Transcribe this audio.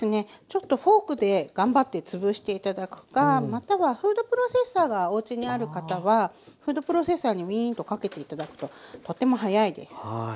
ちょっとフォークで頑張ってつぶして頂くかまたはフードプロセッサーがおうちにある方はフードプロセッサーにウィーンとかけて頂くととても早いです。